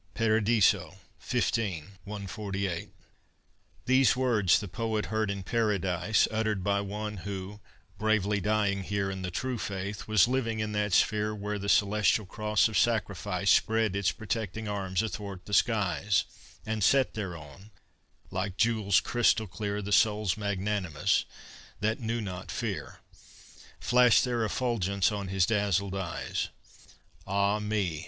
PARADISO, xv, 148. These words the poet heard in Paradise, Uttered by one who, bravely dying here In the true faith, was living in that sphere Where the celestial cross of sacrifice Spread its protecting arms athwart the skies; And set thereon, like jewels crystal clear, The souls magnanimous, that knew not fear, Flashed their effulgence on his dazzled eyes. Ah me!